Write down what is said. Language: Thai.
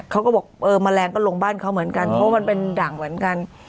เขาก็บอกเออแมลงก็ลงบ้านเขาเหมือนกันเพราะมันเป็นด่างเหมือนกัน